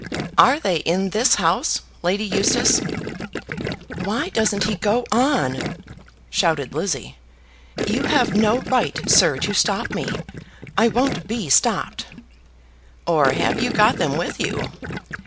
"Are they in this house, Lady Eustace?" "Why doesn't he go on?" shouted Lizzie. "You have no right, sir, to stop me. I won't be stopped." "Or have you got them with you?"